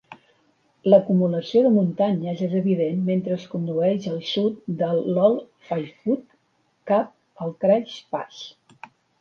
L'acumulació de muntanyes és evident mentre es condueix al sud de l'Old Faithful, cap al Craig Pass.